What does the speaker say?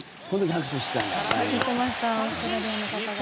拍手してましたオーストラリアの方が。